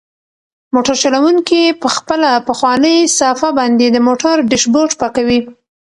موټر چلونکی په خپله پخوانۍ صافه باندې د موټر ډشبورډ پاکوي.